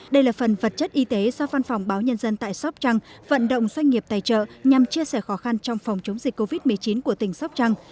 đây là phần vật chất y tế do phan phòng báo nhân dân tại sóc trăng vận động doanh nghiệp tài trợ nhằm chia sẻ khó khăn trong phòng chống dịch covid một mươi chín của tỉnh sóc trăng